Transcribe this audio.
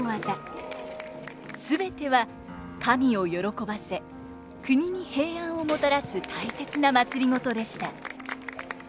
全ては神を喜ばせ国に平安をもたらす大切なまつりごとでした。